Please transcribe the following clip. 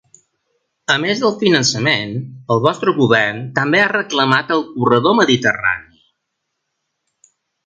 A més del finançament, el vostre govern també ha reclamat el corredor mediterrani.